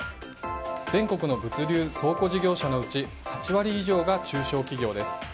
全国の物流・倉庫事業者のうち８割以上が中小企業です。